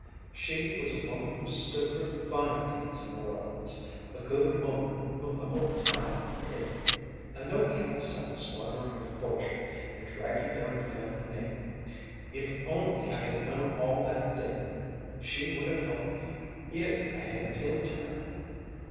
She was a woman who stood for fine things in New Orleans. A good woman whom the whole town pitied! A no 'count son squandering her fortune and dragging down the family name. If only I had known all that then! She would have helped me if I had appealed to her.